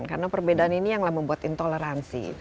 karena perbedaan ini yanglah membuat intoleransi